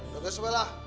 gak usah lah